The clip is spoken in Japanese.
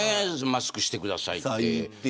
マスクしてくださいって。